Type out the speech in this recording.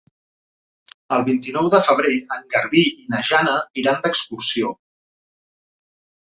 El vint-i-nou de febrer en Garbí i na Jana iran d'excursió.